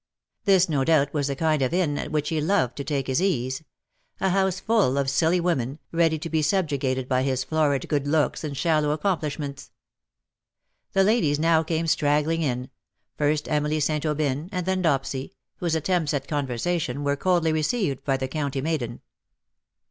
This no doubt was the kind of Inn at which he loved to take his ease — a house full of silly women, ready to be sub jugated by his florid good looks and shallow accom plishments. The ladies now came straggling in — first Emily St. Aubyn, and then Dopsy, whose attempts at conversation were coldly received by the county maiden.